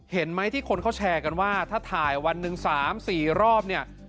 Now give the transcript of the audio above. เห็นไหมที่คนเขาแชร์กันว่าถ้าถ่ายวันหนึ่ง๓๔รอบเนี่ย